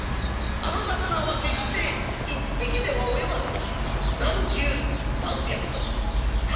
「あの魚も決して一匹では泳がない。